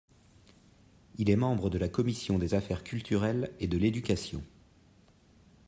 Il est membre de la commission des affaires culturelles et de l'éducation.